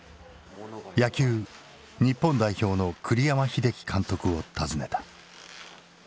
野球日本代表の栗山英樹監督を訪ねた。